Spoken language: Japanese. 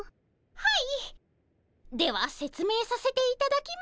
はい。